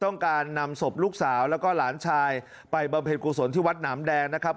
นำศพลูกสาวแล้วก็หลานชายไปบำเพ็ญกุศลที่วัดหนามแดงนะครับ